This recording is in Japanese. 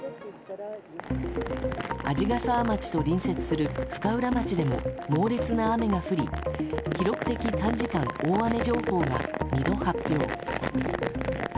鰺ヶ沢町と隣接する深浦町では猛烈な雨が降り記録的短時間大雨情報が２度発表。